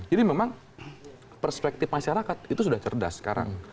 jadi memang perspektif masyarakat itu sudah cerdas sekarang